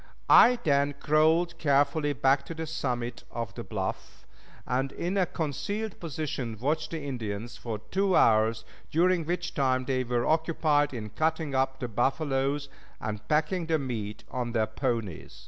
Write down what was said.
I then crawled carefully back to the summit of the bluff, and in a concealed position watched the Indians for two hours, during which time they were occupied in cutting up the buffaloes and packing the meat on their ponies.